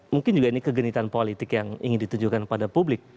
mungkin juga ini kegenitan politik yang ingin ditujukan kepada publik